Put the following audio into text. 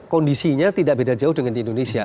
kondisinya tidak beda jauh dengan di indonesia